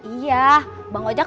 iya bang ojak